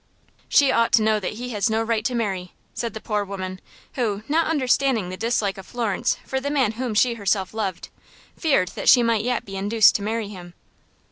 "She ought to know that he has no right to marry," said the poor woman, who, not understanding the dislike of Florence for the man whom she herself loved, feared that she might yet be induced to marry him.